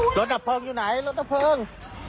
ดับเพลิงอยู่ไหนรถดับเพลิง